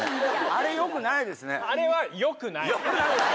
あれ良くないですね。